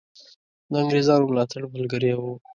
د انګرېزانو ملاتړ ملګری وو.